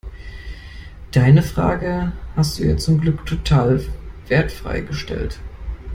Deine Frage hast du ja zum Glück total wertfrei gestellt.